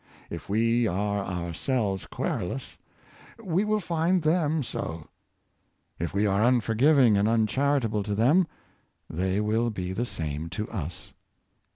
If we are ourselves querulous, we will find them so; if we are unforgiving and uncharita ble to them, they will be the same to us.